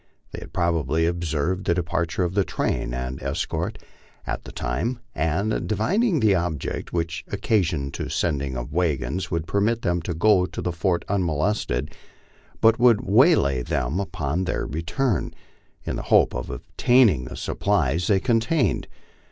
They had probably observed the depart ure of the train and escort at the time, and, divining the object which occasioned the sending of the wagons, would permit them to go to the fort unmolested, but would waylay them on their return, in the hope of obtaining the supplies they contained.